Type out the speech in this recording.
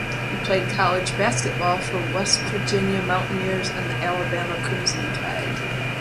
He played college basketball for the West Virginia Mountaineers and the Alabama Crimson Tide.